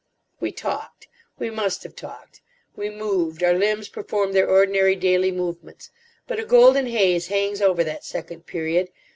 We talked—we must have talked. We moved. Our limbs performed their ordinary, daily movements. But a golden haze hangs over that second period.